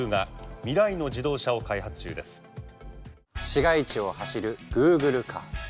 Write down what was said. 市街地を走るグーグルカー。